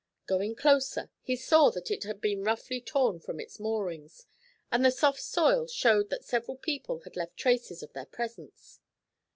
Going closer, he saw that it had been roughly torn from its moorings, and the soft soil showed that several people had left traces of their presence.